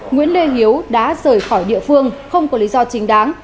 nguyễn lê hiếu đã rời khỏi địa phương không có lý do chính đáng